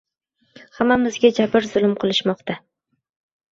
Hammamizga jabr-zulm qilishmoqda